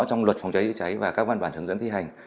trong luật phòng cháy chữa cháy và các văn bản hướng dẫn thi hành